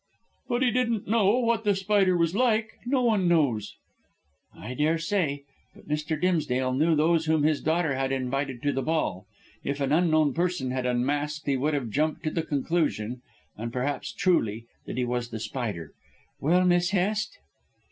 "But he didn't know what The Spider was like. No one knows." "I daresay. But Mr. Dimsdale knew those whom his daughter had invited to the ball. If an unknown person had unmasked he would have jumped to the conclusion, and perhaps truly, that he was The Spider. Well, Miss Hest?"